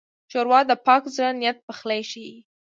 ښوروا د پاک زړه نیت پخلی ښيي.